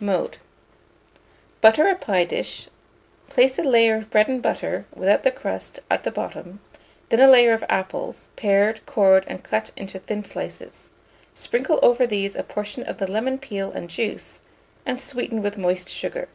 Mode. Butter a pie dish; place a layer of bread and butter, without the crust, at the bottom; then a layer of apples, pared, cored, and cut into thin slices; sprinkle over these a portion of the lemon peel and juice, and sweeten with moist sugar.